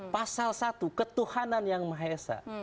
pasal satu ketuhanan yang mahesa